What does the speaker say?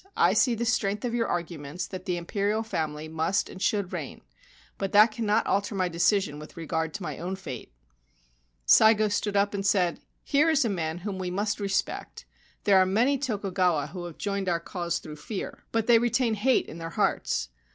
I see the strength of your arguments that the Imperial family must and should reign ; but that cannot alter my decision with regard to my own fate.' Saigo stood up and said : 1 Here is a man whom we must respect. There are many Tokugawa who have joined our cause through fear ; 229 Ancient Tales and Folklore of Japan but they retain hate in their hearts.